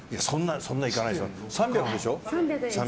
そんないかないでしょ。